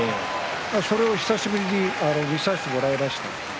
それを久しぶりに見させてもらいました。